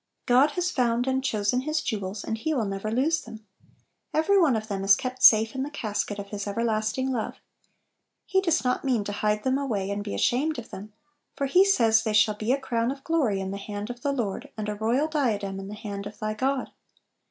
God has found and chosen His jew els, and He will never lose them. Ev ery one of them is kept safe in the casket of His everlasting love. He does not mean to hide them away, and be ashamed of them; for He says they shall " be a crown of glory in the hand of the Lord, and a royal diadem in the hand of thy God."